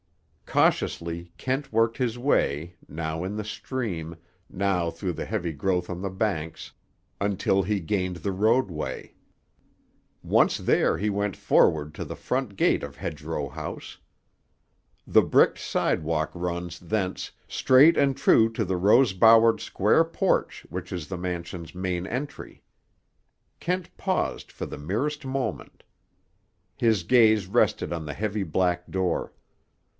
Cautiously Kent worked his way, now in the stream, now through the heavy growth on the banks, until he gained the roadway. Once there he went forward to the front gate of Hedgerow House. The bricked sidewalk runs, thence, straight and true to the rose bowered square porch which is the mansion's main entry. Kent paused for the merest moment. His gaze rested on the heavy black door.